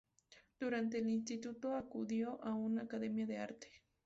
Durante el instituto acudió a una academia de arte.